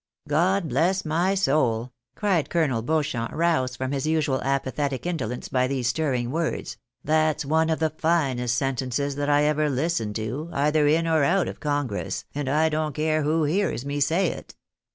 " God bless my soul !" cried Colonel Beauchamp, roused from his usual apathetic indolence by these stirring words, " that's one of the finest sentences that I ever listened to, either in or out of congress, and I don't care who hears me say it."